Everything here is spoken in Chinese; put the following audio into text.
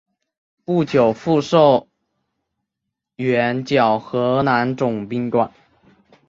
不久复授援剿河南总兵官。